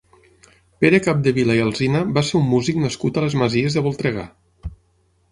Pere Capdevila i Alsina va ser un músic nascut a les Masies de Voltregà.